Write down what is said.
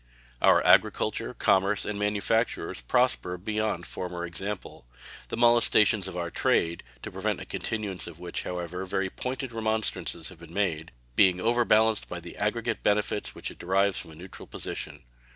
Our agriculture, commerce, and manufactures prosper beyond former example, the molestations of our trade (to prevent a continuance of which, however, very pointed remonstrances have been made) being overbalanced by the aggregate benefits which it derives from a neutral position.